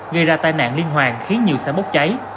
gây ra tai nạn liên hoàn khiến nhiều xe bốc cháy